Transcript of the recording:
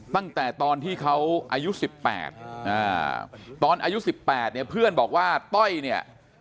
ตั้งแต่ตอนที่เขาอายุ๑๘ตอนอายุ๑๘เนี่ยเพื่อนบอกว่าต้อยเนี่ย